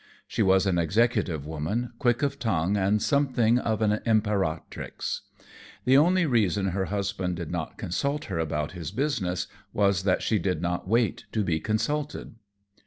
She was an executive woman, quick of tongue and something of an imperatrix. The only reason her husband did not consult her about his business was that she did not wait to be consulted.